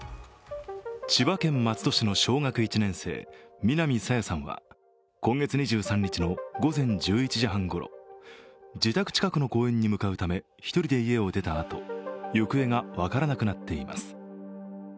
千葉県松戸市の小学１年生南朝芽さんは今月２３日の午前１１時半ごろ自宅近くの公園に向かうため１人で家を出たあと、行方が分からなくなっています。